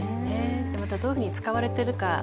また、どういうふうに使われているか。